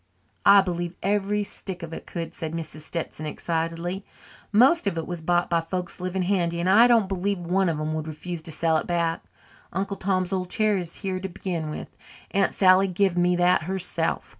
"I believe every stick of it could," said Mrs. Stetson excitedly. "Most of it was bought by folks living handy and I don't believe one of them would refuse to sell it back. Uncle Tom's old chair is here to begin with Aunt Sally give me that herself.